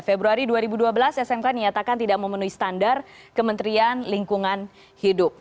februari dua ribu dua belas smk dinyatakan tidak memenuhi standar kementerian lingkungan hidup